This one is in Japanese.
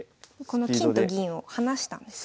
この金と銀を離したんですね。